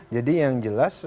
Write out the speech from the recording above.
jadi yang jelas